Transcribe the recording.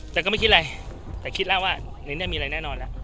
แต่ก็ไม่คิดอะไรแต่คิดแล้วว่าลิ้นเนี่ยมีอะไรแน่นอนแล้ว